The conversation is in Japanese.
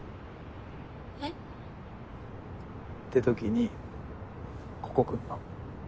えっ？ってときにここ来んの。